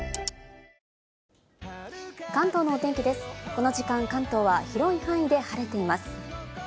この時間、関東は広い範囲で晴れています。